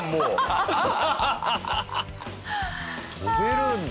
跳べるんだ。